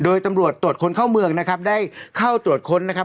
โดยตำรวจตรวจคนเข้าเมืองนะครับได้เข้าตรวจค้นนะครับ